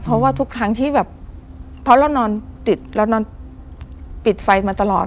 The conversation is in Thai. เพราะว่าทุกครั้งที่แบบเพราะเรานอนติดเรานอนปิดไฟมาตลอด